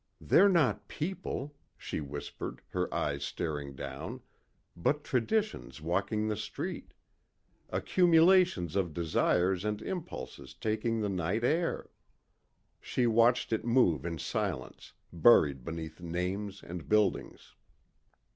"They're not people," she whispered, her eyes staring down, "but traditions walking the street. Accumulations of desires and impulses taking the night air." She watched it move in silence, buried beneath names and buildings.